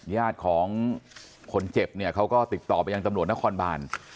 ญาติของคนเจ็บเนี่ยเขาก็ติดต่อไปยังตำรวจนครบาน